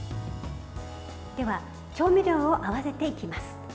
では、調味料を合わせていきます。